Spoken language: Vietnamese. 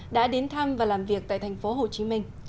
đã đến thăm và làm việc tại thành phố hồ chí minh